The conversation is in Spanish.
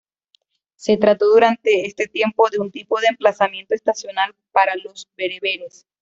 Se trató durante este tiempo de un tipo de emplazamiento estacional para los bereberes.